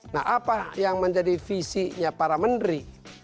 nah apa yang menjadi visinya para menteri